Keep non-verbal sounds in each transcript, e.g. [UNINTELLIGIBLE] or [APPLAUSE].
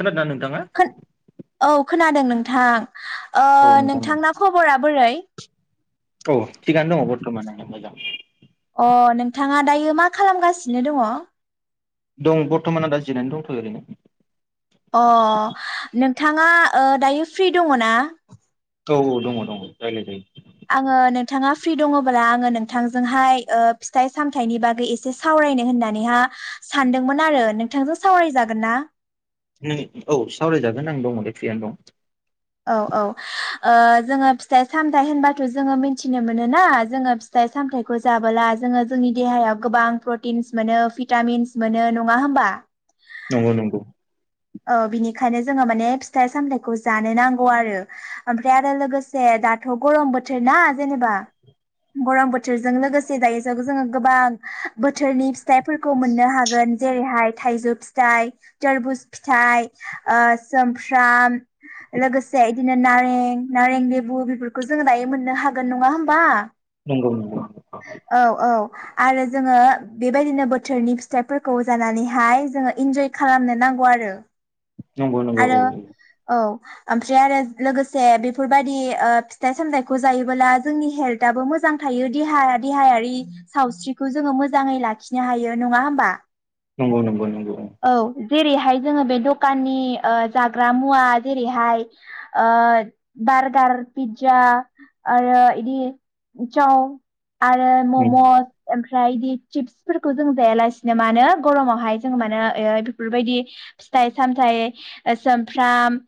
खोनादोंना नों खोन औ खोनादों नोंथां ओ औ नोंथां नोंथांना खबरा बोरै औ थिगानो दङ बरथमानानो मोजां अ नोंथाङा दायो मा खालामगासिनो दङ दं बरथमान आं दा जिरायना दंथ'यो ओरैनो अ नों थाङा ओ दायो फ्रि दङ ना औ औ दङ दङ रायलाय जायो आङो नोंथाङा फ्रि दङब्ला आङो नोंथांजोंहाय ओ फिथाइ सामथाइनि बागै एसे सावरायनो होननानैहा सानदोंमोन आरो नोंथांजों सावरायजागोन ना? नों औ सावरायजागोन आं दंङ नै फ्रियानो दं औ औ ओ जोङो फिथाइ सामथाइ होनबाथ' जोङो मिनथिनो मोनो ना जोङो फिथाइ सामथाइखौ जाबोला जोङो जोंनि देहायाव गोबां प्रटिन्स मोनो भिटामिन्स मोनो नङा होमबा दं नंगौ नंगौ ओ बिनिखायनो जोङो माने फिथाइ सामथाइखौ जानो नांगौ आरो ओमफ्राय आरो लोगोसे दाथ' गरम बोथोर ना जेनेबा गरम बोथोरजों लोगोसे दायो जो जोङो गोबां बोथोरनि फिथाइफोरखौ मोननो हागोन जेरैहाय थाइजौ फिथाइ तोरबुज फिथाइ ओ सोमफ्राम लोगोसे इदिनो नारें नारें लेबु बेफोरखौ जोङो दायो मोननो हागोन नङा होमबा नंगौ औ औ आरो जोङो बेबायदिनो बोथोरनि फिथाइफोरखौ जानानैहाय जोङो इन्जय खालामनो नांगौ आरो रो नंगौ नंगौ औ औ आमफ्राय आरो लोगोसे बेफोरबादि फिथाइ सामथाइखौ जायोबोला जोंनि हेल्थआबो मोजां थायो देहा देहायारि सावस्रिखौ जोङो मोजाङै लाखिनो हायो नङा होमबा नंगौ नंगौ नंगौ औ जेरैहाय जोङो बे दखाननि ओ जाग्रा मुवा जेरैहाय ओ बारगार पिज्जा आरो इदि साव आरो ममस ओम फ्राय इदि चिप्सफोरखौ जों जायालासिनो मानो गरमावहाय जों मानो ओ बेफोरबायदि फिथाइ सामथाय सुमफ्राम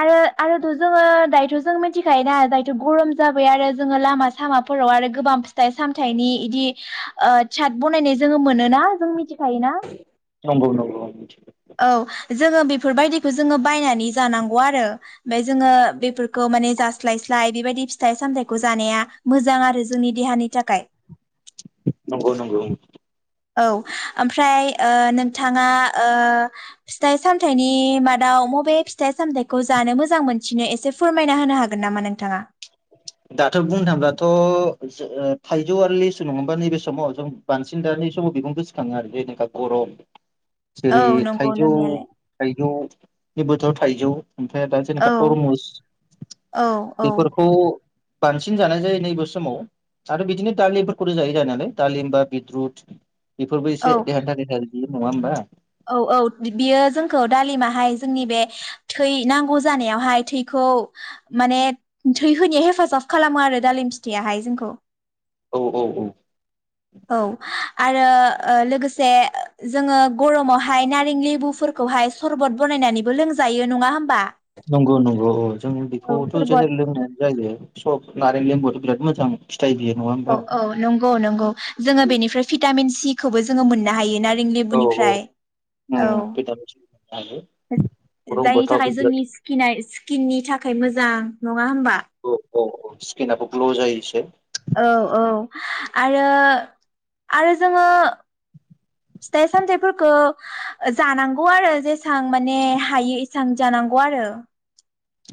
आरो आरोथ' जोङो दायोथ' जों मिथिखायोना दायोथ' गरम जाबाय आरो जोङो लामा सामाफोराव आरो गोबां फिथाइ सामथाइनि इदि साद बनायनाय जोङो मोनोना जों मिथिखायोना। नंगौ नंगौ। औ जोङो बेफोरबायदिखौ जोङो बायनानै जानांगौ आरो ओमफफ्राय जोङो बेफोरखौ माने जास्लायस्लाय बेबायदि फिथाइ सामथायाइखौ जानाया मोजां आरो जोंनि देहानि थाखाय। नंगौ नंगौ। औ ओमफ्राय नोंथाङा फिथाइ सामथाइनि मादाव मबे फिथाइ सामथायाइखौ जानो मोजां मोनसिनो एसे फोरमायना होनो हागोन नामा नोंथाङा। दाथ' बुंनो थाङोबथ' थाइजौ आरो लेसु नङबा नैबे समाव जों बांसिन दा न समाव बिखौुं गोसोखाङो आरो जेनेखा गरम। औ जेरै नंगौ थाइजौ नोंनायालाय थाइजौनिबो। थायजौ। ओमफ्राय दा जेना औ तरमुस औ बेफोर बांसिन जानाय जायो नैबे समाव आरो बिदिनो दालिमफोरखौ जायो जानायालाय दालिम बा बिद्रुद बेफोरबो एसे औ देहान्थाखाय बि नङा ओमबा? [INAUDIBLE] औ औ बियो जोंखौ दालिमाहाय जोंनि बे थै नांगौ जानायावहाय थैखौ माने थै होनायाव हेफाजाब खालामो आरो दालिम फिथाइयाहाय जोंखौ। औ औ औ। औ आरो लोगोसे जोङो गरमावहाय नारें लेबुफोरखौहाय सरबत बानायनानैबो लोंजायो नङा होमबा? नंगौ नंगौ अ जों औ बेखौथ' सरबत जेनेर लोंनो जायो सब नारें लेबुआथ' बिराद मोजां। फिथाइ बियो नङा होमबा औ औ नंगौ नंगौ। जोङो बेनिफ्राय भिटामिन सिखौबो जोङो मोननो हायो ना नारें औ औ लेबुनिफ्राय औ उम भिटामिन सि मोननो हायो गरम जायनि बोथोराव थाखाय बे बिराद जोंनि स्किना स्किननि थाखाय मोजां। नङा होमबा? अ अ स्किनआबो ग्ल' जायोसो। औ औ आरो आरो जोङो फिथाइ सामथाइफोरखौ जानांगौ आरो जेसां माने हायो एसां जानांगौ आरो।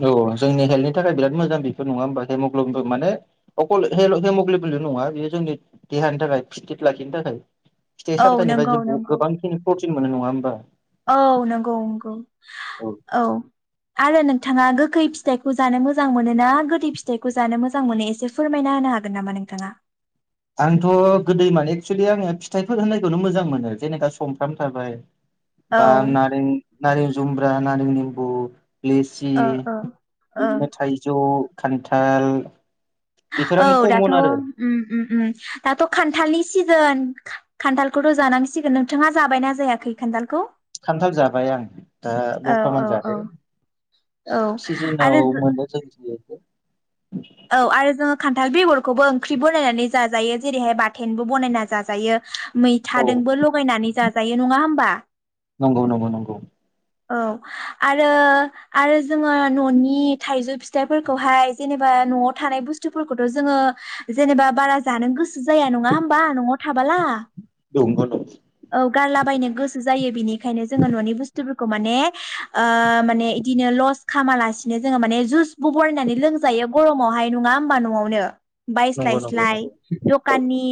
औ जोंनि हेल्थनि थाखाय बिराद मोजां बेफोर नङा होमबा हेमग्लबि माने अकल हेमग्लबिल' नङा बेयो जोंनि देहानि थाखाय फिट फेट लाखिनो थाखाय। फिथाइ औ नंगौ सामथायनिफ्राय नंगौ गोबां प्र थिन मोनो नङा होमबा? औ नंगौ नंगौ औ। आरो नोंथाङा गोखै फिथाइखौ जानो मोजां मोनो ना गोदै फिथाइखौ जानो मोजां मोनो एसे फोरमायना होनो हागोन नामा नोंथाङा? आंथ' गोदै मान एक्सुलि आङो फिथाइफोर होननायखौनो मोजां मोनो जेनेबा संफ्राम थाबाय। औ बा नारें नारें जुमरा नारें निमबु लेसि ओ ओ ओं बिदिनो थाइजौ खान्थाल, बेफोर औ आंनि दाथ' कमन आरो उम उम दाथ' खान्थालनि सिजोन खान्थालखौथ' जानांसिगोन नोंथाङा जाबायना जायाखै खान्थालखौ? खानथाल जाबाय आं दा औ बर्थमान औ जादो औ सिजोनाव आरो मोनो जों औ आरो जोङो खा खान्थाल बेगरखौबो ओंख्रि बनायनानै जाजायो जेरैहाय बाथेनबो बनायना जाजायो। औ मैथादोंबो लगायनानै जाजा यो नङा होमबा? नंगौ-नंगौ-नंगौ। औ आरो आरो जोङो न'नि थाइजौ फिथाइफोरखौहाय जेनेबा न'आव थानाय बुस्थुफोरखौथ' जोङो जेनेबा बारा जानो गोसो जाया नङा होमबा न'वाव थाबोला? नंगौ औ गारलाबायनो गोसो जायो बेनिखायनो जोङो न'नि बुस फोरखौ माने माने इदिनो लस खालामा लासेनो जोङो माने जुसबो बरायनानै लोंजायो गरमावहाय नङा होमबा न'वावनो नंगौ नंगौ बायस्लायस्लाय नंगौ औ। दखाननि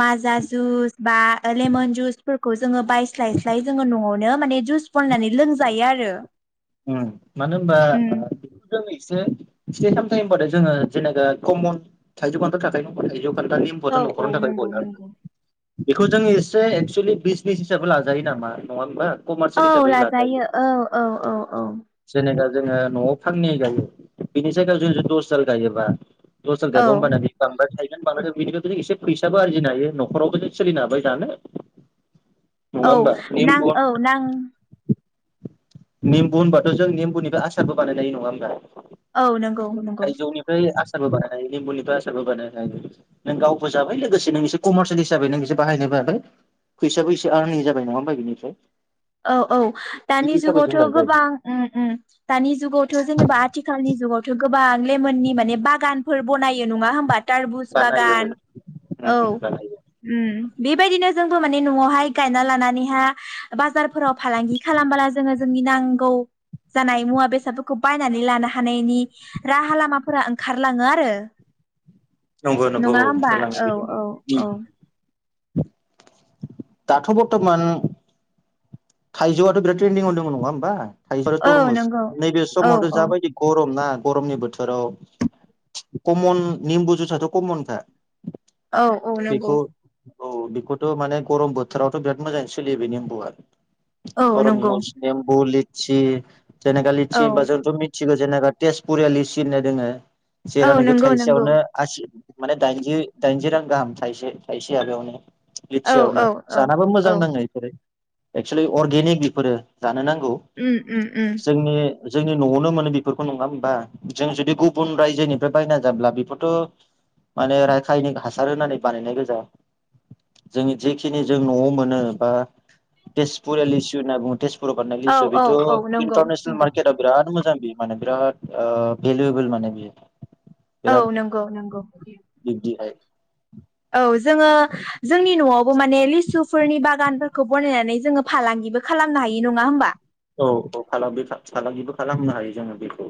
माजा जुस, बा लेमन जुस फो जोङो बायस्लायस्लाय जोङो न'वावनो नों माने जुमइ फननानै लोंजायो आरो। ओ। ओम मानो होनबा बेखौ जोङो एसे फिस्थाय [INAUDIBLE] होनबाथाय जोङो जेनेबा कमन थाइजौ खान्थाल थाखायी औ औ नंगौ नबाथाय [UNINTELLIGIBLE] नंगौ [UNINTELLIGIBLE] बेखौ जों एसे एक्सुेलि बिजसनिस हिसाबै लाजायो नामा नङा होमबा। कमारसियेल औ हिसाबै लाजायो औ औ औ। जेनेबा जोङो न'आव फाननै गायो बिनि जायगायाव जों दस दाल गायोबा। दस दाल औ गायोबा ओमबाना बेयो बांद्राय थायो। बिनिखौथ' जों एसे फैसाबो आरजिनो हायो न'खरावबो जों सोलिनो हाबाय जानो। [INAUDIBLE] औ होमबा नां निम्बु औ नां नेमबु होनबाथ' जों नेमबुनि बे आसारबोबानायनो हायो नङा होनबा? औ नों थाइजौ निफ्राय आसा आसारबो बानाय हायो लेबुनिफराय आसारबो बानायनो हायो नों गावबो जाबाय लोगोसे नों एसे कमारसियेल हिसाबै नों एसे बाहायनोबो हाबाय फैसाबो एसे यारनिं जाबाय नङा होनबा बिनिफ्राय। औ औ दानि बिदि हिसाबै जों जुगावथ' लाजायो गोबां दानि जुगावथ' जेनेबा आथिखालनि जुगावथ' गोबां लेमोननि माने बागानफोर बनायो नङा होमबा? थरमुस बानायो औ बागान उम औ उम बानायो बेबायदिनो जोंबो माने न'आवहाय गायना लानानैहाय बाजार फोराव फालांगि खालामबोला जोङो जोंनि नांगौ जानाय मुवा बेसादफोरखौ बायनानै लानो हानायनि राहा लामाफोरा ओंखारलाङो आरो। नंगौ नंगौ नङा औ होमबा ओंखारलाङो औ बिदिनो। औ औ दाथ' बरथमान थाइजौआथ' बिराद ट्रेन्दिंआवनो दं नङा होमबा? थायजौ आरो औ थरमुस नंगौ नैबे औ समावथ औ जाबायदि गरम ना। गरमनि बोथोराव कमन निमबु जुइ आथ' कमनखा। औ औ नंगौ। बेखौ औ बेखौथ माने गरम बोथोरावथ बिराद मोजाङै सोलियो बे निम्बुआ। औ नंगौ [UNINTELLIGIBLE] थि। जोंना खालि थि औ होनबा जोंथ मिथिगौ जोंना खालि [UNINTELLIGIBLE] तेजपुरियालि सि होननाय दोङो। औ जेरावनाखि नंगौ नंगौ थाइसेयावनो आसि माने दाइनजि दाइनजि रां गाहाम थायसे थायसे माबायावनो औ लिथियावनो औ जानाबो औ मोजां नाङो इसोरो एक्सुलि अर्गेनिक बेफोरो जानो नांगौ। उम उम उम जोंनि जोंनि नआवनो मोनो बेफोरखौ नङा होमबा जों जुदि गुबुन रायजोनिफ्राय बायना जाब्ला बेफोरथ माने राखायनिक हासार होननानै बानायनाय गोजा जोंनि जेखिनि जों नआव मोनो बा तेजपुरि लेसु होनना बुङो तेजपु राव बानायनाय औ लेसु औ बेथ औ नंगौ इन्टारनेसनेल नंगौ मार्केटआव बिराद मोजां। बि माने बिराद ओ भेलुएवोल माने बियो। औ बिराद नंगौ नंगौ। बिब्दिहाय औ जोङो जोंनि नआव माने लिसुफोरनि बागान -खौ बानायनानै जोङो फालांगिबो खालामनो हायो नङा होमबा? औ औ फालांगि फालांगिबो खालामनो हायो जोङो बेखौ।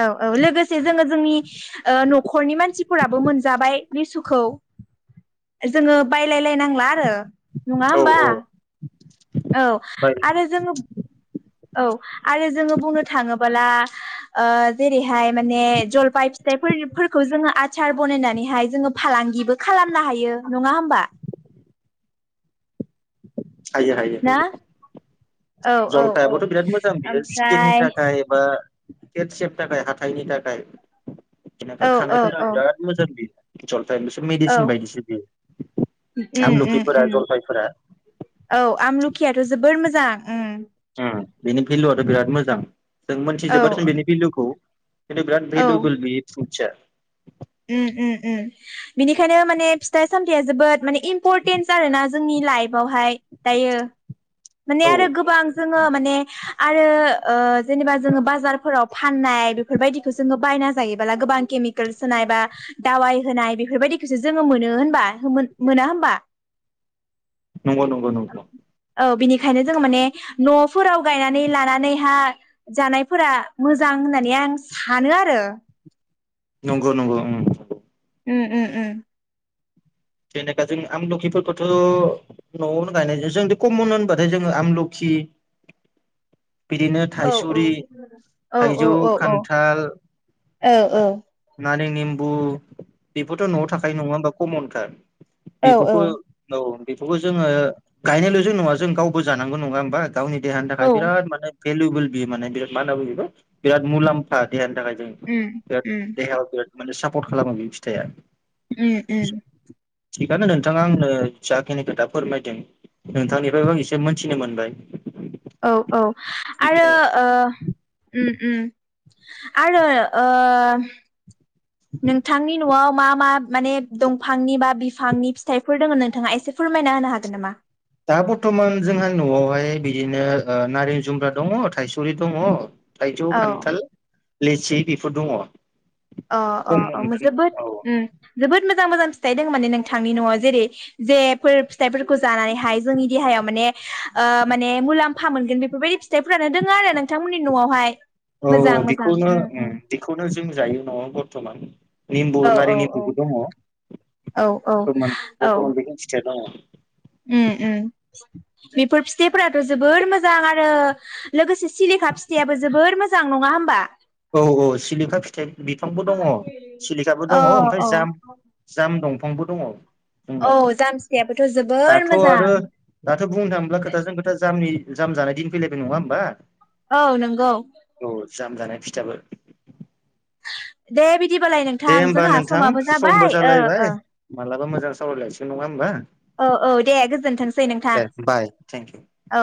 औ औ लोगोसे जोङो जोंनि नखरनि मानसिफोराबो मोनजाबाय लिसुखौ जोङो बायलायलायनांला आरो। नङा औ होमबा? औ औ बाय आरो जोङो औ आरो जोङो बुंनो थाङोब्ला ओ जेरैहाय माने जलफाय फिथाइफोर फोरखौ जोङो आचार बनायनानैहाय जोङो फालांगिबो खालामनो हायो नङा होमबा? [INAUDIBLE] हायो हायो ना हायो। औ औ औ जलफायाबथ' बिराद मोजां बियो स्किननि ओमफ्राय थाखाय एबा केट सेफ थाखाय हाथाइनि थाखाय औ [UNINTELLIGIBLE] औ खानायफोर औ बिराद मोजां बियो। जल औ उम उम आमलखिफोरा उम जलफायफोरा औ आमलुखियाथ' जोबोर मोज जां उम। बिनि भेलुआथ' बिराद मोजां। जों मोनथि औ जोबाथ' बेनि बिलुखौ खिनथु बिराद औ भेलुबोल बेयो [UNINTELLIGIBLE] उम उम उम बिनिखायनो माने फिथाइ सामथायाइया जोबोद माने इम्पर्टेन्सआ आरोना जोंनि लाइफआवहाय दायो माने औ आरो गोबां जो ङो माने आरो ओ जेनेबा जोङो बाजारफोराव फाननाय बेफोरबायदिखौ जोङो बायना जायोबोला गोबां केमिकेल होनाय बा दावाय होनाय बेफोरबायदिखौसो जोङो मोनो होनबा मोना होनबा? नंगौ नंगौ नंगौ औ बिनिखायनो जोङो माने न'फोराव गायनानै लानानैहा जानायफोरा मोजां होननानै आं सानो आरो नंगौ नंगौ उम उम उम [INAUDIBLE] औ थाइसुरि औ औ थाइजौ औ औ खान्थाल औ औ ओ नारें निम्बु बेफोरथ' न'आव थाखायो नङा होनबा कमनथार औ बेफोरखौ औ बेफोरखौ जोङो गायनायल'जों नङा जों गावबो जानांगौ नङा होमबा? गावनि देहानि थाखाय औ बिराद माने भेलुबोल बियो माने बिराद मा होनना बुङो बेखौ बिराद मुलाम्फा देहानि थाखाय उम बिराद देहायाव बिराद माने सापर्ट खालामो बि फिथाइया उम उम थिगानो नोंथाङा आंनो जाखिनि खोथा फोरमायदों नोंथांनिफ्रायबो आं एसे मोनथिनो मोनबाय औ औ आरो ओ उम उम आरो ओ नोंथांनि न'आव मा मा माने दंफांनि बा बिफांनि फिथाइफोर दङ नोंथाङा एसे फोरमायना होनो हागोन नामा? दा बर्थमान जोंहा न'आवहाय बिदिनो ओ नारें जुमब्रा दङ थायसुरि दङ थाइजौ औ खान्थाल लेचि बेफोर दङ अ अ खम अ मोनगोन जोबोद औ ओ जोबोद मोजां मोजां मोजां फिथाइ दङ माने नोंथांनि न'आव जेरै जेफोर फिथाइफोरखौ जानानैहाय जोंनि देहायाव माने माने मुलाम्फा मोनगोन बेफोरबायदि फिथाइफोरानो दङ आरो नोंथांमोननि न'आवहाय औ औ बेखौनो उम बेखौनो जों जायो दङ बरथमान निम्बु औ औ नारि औ निम्बुबो दङ औ औ बर्थमान औ बर्थमान बेखिनि फिथाइया दङ ओम ओम बेफोर फिथाइफोराथ' जोबोर मोजां आरो लोगोसे सिलिखा फिथाइाबो जोबोर मोजां नङा होनबा? औ औ सिलिखा फिथाइ बिफांबो दङ सिलिखाबो औ दङ ओमफ्राय औ जाम जाम दं फंबो दङ' उनाव औ जाम फिथाइयाबोथ' जोबोर दाथ' मोजां आरो दाथ' बुंनो थाङोब्ला खोथाजों खोथा जामनि जाम जानाय दिन फैलायबाय नङा होमबा? औ नंगौ जोबोद दे बि बिदिबालाय नोंथां जोंहा नोंथां समाबो समबो जाबाय ओ जालायबाय ओ मालाबा मोजां सावरायलायसै नङा होमबा? औ औ दे गोजोनथोंसै नोंथां दे बाय थेंकिउ औ